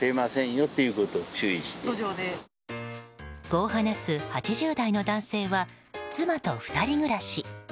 こう話す８０代の男性は妻と２人暮らし。